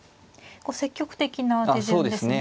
積極的な手順ですね。